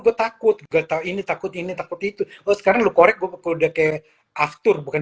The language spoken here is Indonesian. gue takut gue tahu ini takut ini takut itu sekarang lo korek gue udah kayak aftur bukan